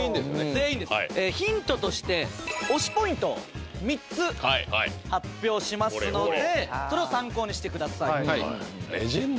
全員ですヒントとして推しポイントを３つ発表しますのでそれを参考にしてください